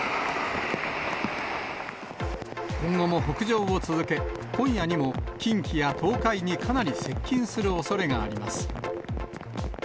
今後も北上を続け、今夜にも近畿や東海にかなり接近するおそれがあります。